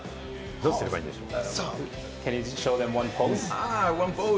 どうすればいいんでしょう？